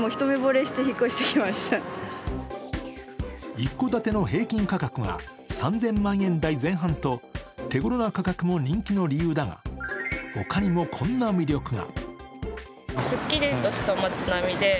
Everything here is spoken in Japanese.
一戸建ての平均価格が３０００万円台前半と手ごろな価格も人気の理由だが他にもこんな魅力が。